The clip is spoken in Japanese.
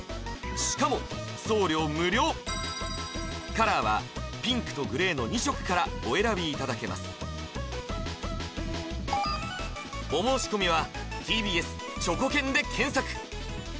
しかも送料無料カラーはピンクとグレーの２色からお選びいただけます続いては！